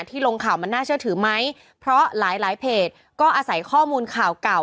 ลงข่าวมันน่าเชื่อถือไหมเพราะหลายหลายเพจก็อาศัยข้อมูลข่าวเก่า